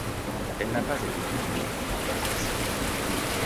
Elle n'a pas été publiée du vivant du musicien.